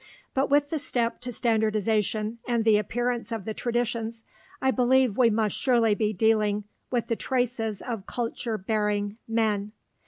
But with the step to standardization and the appearance of the traditions, I believe we must surely be dealing with the traces of culture bearing men.